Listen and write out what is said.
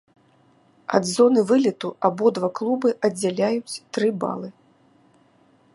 Ад зоны вылету абодва клубы аддзяляюць тры балы.